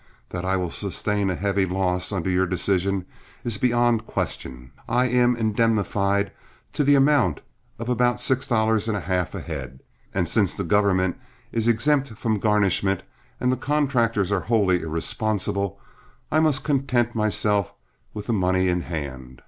That I will sustain a heavy loss, under your decision, is beyond question. I am indemnified to the amount of about six dollars and a half a head, and since the government is exempt from garnishment and the contractors are wholly irresponsible, I must content myself with the money in hand.